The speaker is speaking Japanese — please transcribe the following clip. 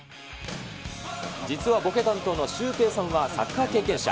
実はボケ担当のシュウペイさんはサッカー経験者。